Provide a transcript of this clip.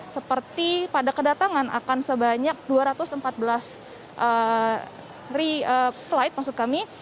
seperti pada kedatangan akan sebanyak dua ratus empat belas flight maksud kami